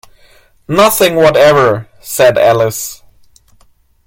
‘Nothing whatever,’ said Alice.